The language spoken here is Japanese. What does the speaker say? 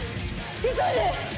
急いで！